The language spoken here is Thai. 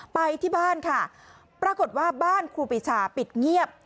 ไปที่บ้านค่ะปรากฏว่าบ้านครูปีชาปิดเงียบ